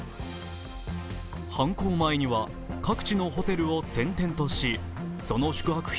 犯行前には、各地のホテルを転々としその宿泊費